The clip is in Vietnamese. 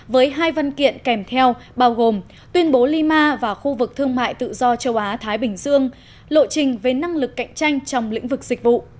với hai văn kiện kèm theo bao gồm tuyên bố lima và khu vực thương mại tự do châu á thái bình dương lộ trình về năng lực cạnh tranh trong lĩnh vực dịch vụ